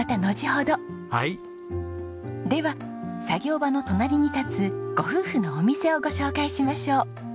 では作業場の隣に立つご夫婦のお店をご紹介しましょう。